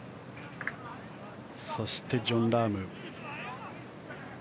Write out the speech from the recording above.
そして、ジョン・ラーム。